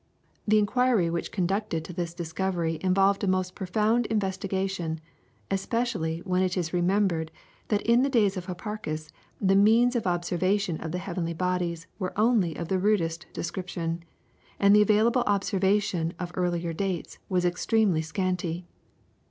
The inquiry which conducted to this discovery involved a most profound investigation, especially when it is remembered that in the days of Hipparchus the means of observation of the heavenly bodies were only of the rudest description, and the available observations of earlier dates were extremely scanty.